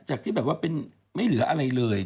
ที่แบบว่าเป็นไม่เหลืออะไรเลย